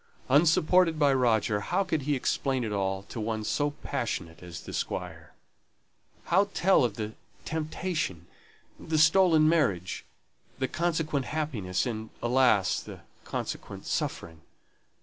Unsupported by Roger, how could he explain it all to one so passionate as the Squire? how tell of the temptation, the stolen marriage, the consequent happiness, and alas! the consequent suffering?